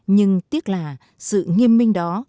nhưng tiếc là sự nghiêm minh đó